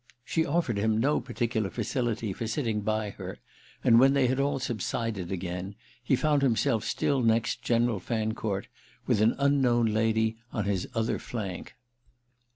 She offered him no particular facility for sitting by her, and when they had all subsided again he found himself still next General Fancourt, with an unknown lady on his other flank.